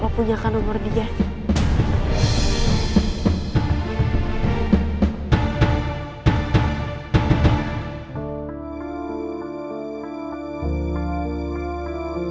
gue sekarang mau telpon mail